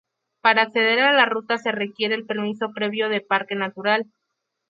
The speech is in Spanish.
Para acceder a la ruta se requiere el permiso previo de Parque Natural.